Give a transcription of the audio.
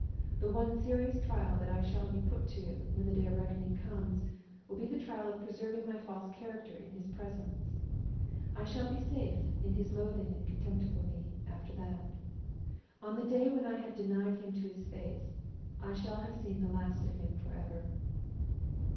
The one serious trial that I shall be put to when the day of reckoning comes will be the trial of preserving my false character in his presence. I shall be safe in his loathing and contempt for me, after that. On the day when I have denied him to his face, I shall have seen the last of him forever.